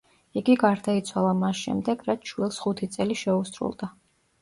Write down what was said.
იგი გარდაიცვალა მას შემდეგ, რაც შვილს ხუთი წელი შეუსრულდა.